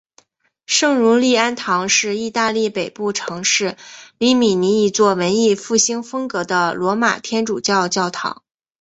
圣儒利安堂是意大利北部城市里米尼一座文艺复兴风格的罗马天主教教堂。